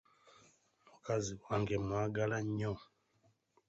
Mukazi wange mwagala nnyo.